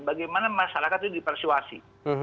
bagaimana masyarakat itu dipersuasi